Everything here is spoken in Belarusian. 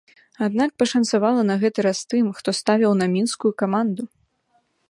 Аднак пашанцавала на гэты раз тым, хто ставіў на мінскую каманду.